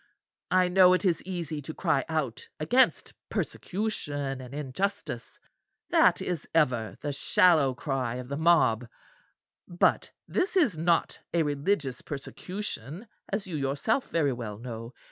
I know it is easy to cry out against persecution and injustice; that is ever the shallow cry of the mob; but this is not a religious persecution, as you yourself very well know.